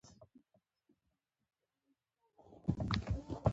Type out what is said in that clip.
انسان پوه شو چې یواځې د بالغو مېږو ښکار ګټور نه دی.